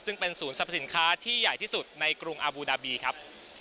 ซึ่งเป็นศูนย์สรรพสินค้าที่ใหญ่ที่สุดในกรุงอาบูดาบีครับ